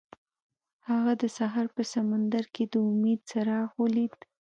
هغه د سهار په سمندر کې د امید څراغ ولید.